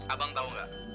abang tau gak